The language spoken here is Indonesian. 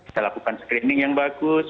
kita lakukan screening yang bagus